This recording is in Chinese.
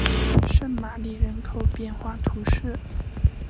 圣玛丽人口变化图示